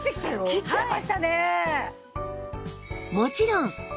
切っちゃいましたね。